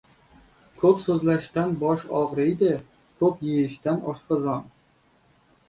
• Ko‘p so‘zlashdan bosh og‘riydi, ko‘p yeyishdan — oshqozon.